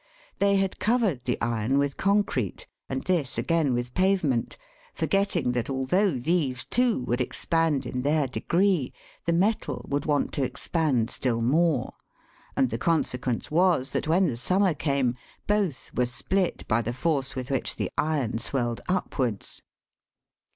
They had covered the iron with concrete, and this again with pavement, forgetting that, although these, too, would expand in their degree, the metal would want to ex pand still more ; and the consequence was that when the summer came, both were split by the force with which the iron swelled upwards.